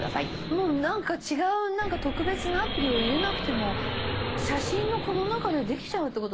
もうなんか違うなんか特別なアプリを入れなくても写真のこの中でできちゃうってことですか？